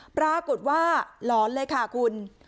ปรากฏว่าหลอนเลยค่ะคุณ